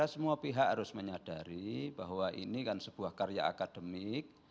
semua pihak harus menyadari bahwa ini kan sebuah karya akademik